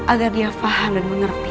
agar dia fahan dan mengerti